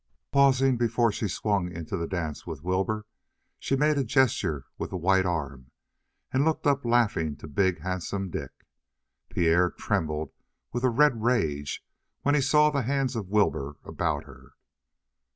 Pausing before she swung into the dance with Wilbur, she made a gesture with the white arm, and looked up laughing to big, handsome Dick. Pierre trembled with a red rage when he saw the hands of Wilbur about her.